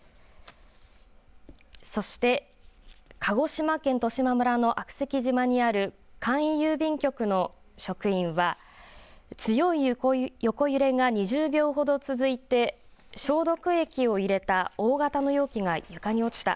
そして、鹿児島県十島村の悪石島にある簡易郵便局の職員は強い横揺れが２０秒ほど続いて消毒液を入れた大型の容器が床に落ちた。